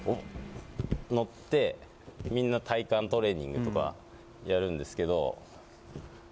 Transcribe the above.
乗って、みんな、体幹トレーニングとかやるんですけど。